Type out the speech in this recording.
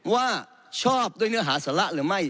ว่าชอบด้วยเนื้อหาสาระหรือไม่